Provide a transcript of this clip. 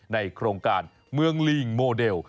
ในโครงการเมืองลิงโมเดล